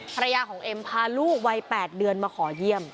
ภรรยาของเอ็มพาลูกวัย๘เดือนมาขอเยี่ยม